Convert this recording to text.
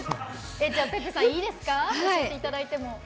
ｐｅｐｐｅさん、いいですか教えていただいても。